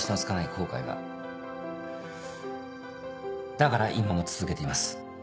だから今も続けています。